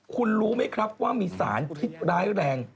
คุณรู้ไหมครับว่ามีสารพิษร้ายแรง